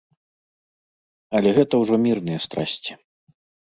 Але гэта ўжо мірныя страсці.